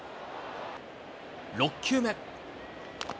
６球目。